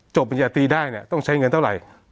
ปริญญาตรีได้เนี่ยต้องใช้เงินเท่าไหร่